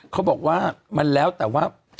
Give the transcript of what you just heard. เขาบอกว่ามันแล้วแต่ว่า